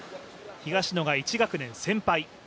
東野が１学年先輩。